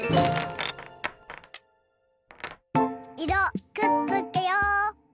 いろくっつけよ。